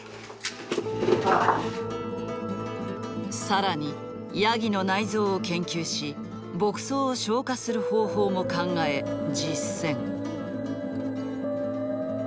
更にヤギの内臓を研究し牧草を消化する方法も考え実践。